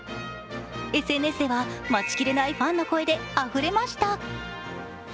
ＳＮＳでは待ちきれないファンの声であふれました。